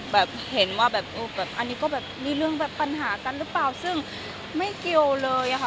แบบเห็นว่าอันนี้มีเรื่องปัญหากันหรือเปล่าซึ่งไม่เกี่ยวเลยค่ะ